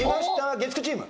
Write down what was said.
月９チーム！